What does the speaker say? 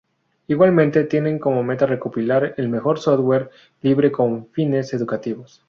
Igualmente tiene como meta recopilar el mejor software libre con fines educativos.